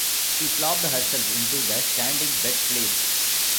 She flopped herself into the standing bed-place.